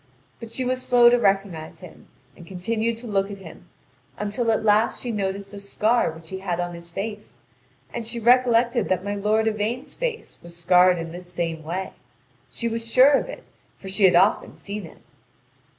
But she was slow to recognise him, and continued to look at him until at last she noticed a scar which he had on his face, and she recollected that my lord Yvain's face was scarred in this same way; she was sure of it, for she had often seen it.